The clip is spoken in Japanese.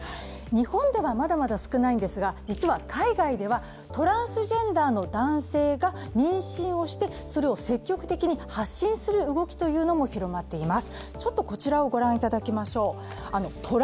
日本では、まだまだ少ないんですが実は海外ではトランスジェンダーの男性が妊娠をして、それを積極的に発信する動きというのも広まっています。